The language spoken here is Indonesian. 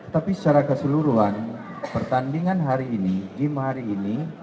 tapi secara keseluruhan pertandingan hari ini game hari ini